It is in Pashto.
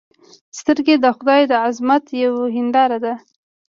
سترګې د خدای د عظمت یوه هنداره ده